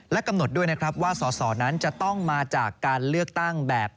และกำหนดด้วยนะครับว่าสอสอนั้นจะต้องมาจากการเลือกตั้งแบบ